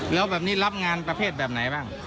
แล้วแบบนี้รับงานประเภทแบบไหนบ้าง